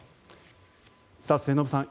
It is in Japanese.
末延さん